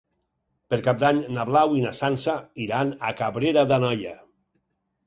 Per Cap d'Any na Blau i na Sança iran a Cabrera d'Anoia.